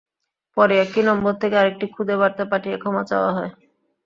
পরে একই নম্বর থেকে আরেকটি খুদে বার্তা পাঠিয়ে ক্ষমা চাওয়া হয়।